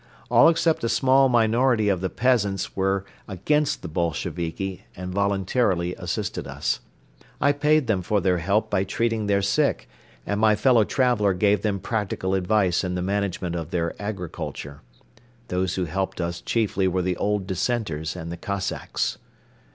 All except a small minority of the peasants were against the Bolsheviki and voluntarily assisted us. I paid them for their help by treating their sick and my fellow traveler gave them practical advice in the management of their agriculture. Those who helped us chiefly were the old dissenters and the Cossacks.